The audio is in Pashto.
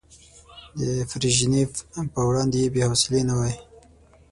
د بريژينف په وړاندې بې حوصلې نه وای.